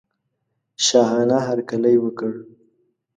شاهانه هرکلی وکړ.